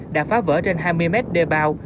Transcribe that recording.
đã phá vỡ trên hai mươi m đê bao